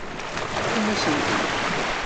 Tefkam-asent-t-id.